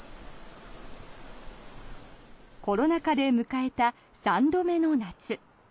コロナ禍で迎えた３度目の夏。